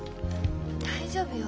大丈夫よ。